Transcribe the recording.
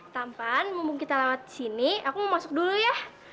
tampan mumpung kita lewat sini aku mau masuk dulu ya